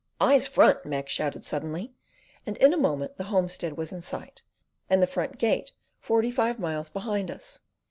"Eyes front!" Mac shouted suddenly, and in a moment the homestead was in sight, and the front gate forty five miles behind us.